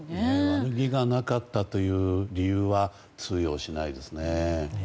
悪気がなかったという理由は通用しないですね。